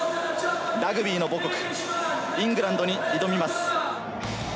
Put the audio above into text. ラグビーの母国、イングランドに挑みます。